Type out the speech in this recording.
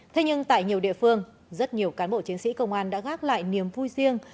thế nhưng tại nhiều địa phương rất nhiều cán bộ chiến sĩ công an đã gác lại niềm vui riêng